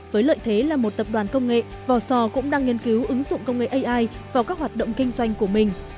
với lợi thế là một tập đoàn công nghệ vò sò cũng đang nghiên cứu ứng dụng công nghệ ai vào các hoạt động kinh doanh của mình